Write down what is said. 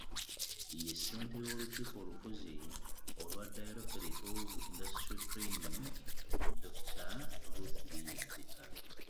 Ye ssentebe w'olukiiko olufuzi olwa Directorate of Industrial Training, Dr. Ruth Biyinzika